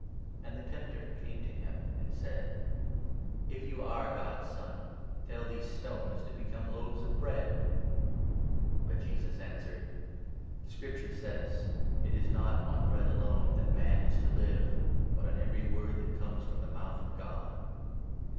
And the Tempter came to him, and 3 said :" If you are God's Son, tell these stones to become loaves of bread." But Jesus answered :" Scripture says — 4 ' It is not on bread alone that man is to live, but on every word that comes from the mouth of God.'"